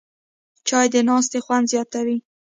چای د ناستې خوند زیاتوي